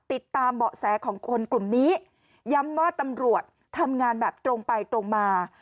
เบาะแสของคนกลุ่มนี้ย้ำว่าตำรวจทำงานแบบตรงไปตรงมา